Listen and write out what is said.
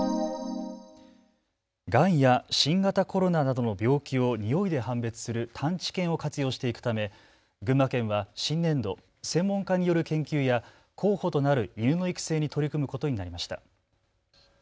がんや新型コロナなどの病気をにおいで判別する探知犬を活用していくため群馬県は新年度、専門家による研究や候補となる犬の育成に取り組むことになりました。